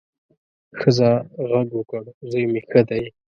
ښځه غږ وکړ، زوی مې ښه دی.